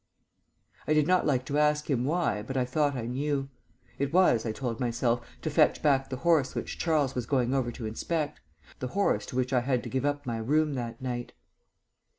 I did not like to ask him why, but I thought I knew. It was, I told myself, to fetch back the horse which Charles was going over to inspect, the horse to which I had to give up my room that night.